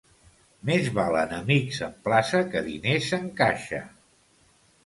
Més valen amics en plaça que diners en caixa.